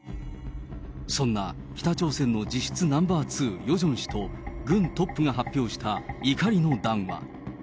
そんな、北朝鮮の実質ナンバー２、ヨジョン氏と、軍トップが発表した、怒りの談話。